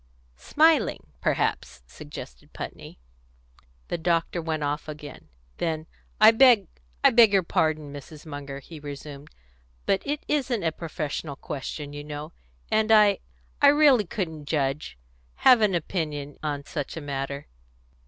"Smiling, perhaps," suggested Putney. The doctor went off again. Then, "I beg I beg your pardon, Mrs. Munger," he resumed. "But it isn't a professional question, you know; and I I really couldn't judge have any opinion on such a matter."